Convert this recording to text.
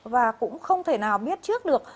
và cũng không thể nào biết trước được